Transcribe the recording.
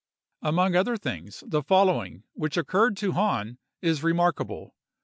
"Among other things, the following, which occurred to Hahn, is remarkable.